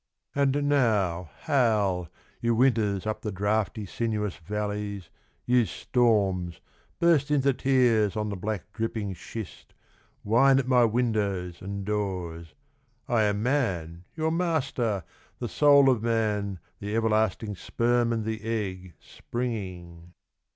And now Howl, you winters up the draughty Sinuous valleys You storms, burst into tears On the black dripping schist, Whine at my windows and doors ; I am man, your master, The soul of man The everlasting sperm and the egg, Springing.